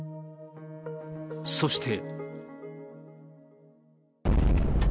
そして。